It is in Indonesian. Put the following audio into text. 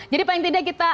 jadi paling tidak kita